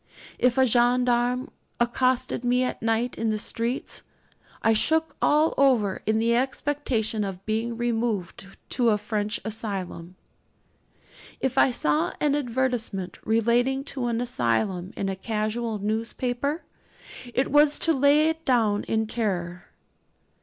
If a gendarme accosted me at night in the streets, I shook all over in the expectation of being removed to a French asylum. If I saw an advertisement relating to an asylum in a casual newspaper, it was to lay it down in terror.